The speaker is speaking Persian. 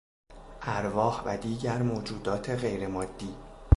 ارواح و دیگر موجودات غیر مادی